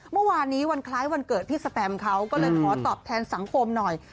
เมื่อวานนี้วันคล้ายวันเกิดพี่สแตมเขาก็เลยขอตอบแทนสังคมหน่อย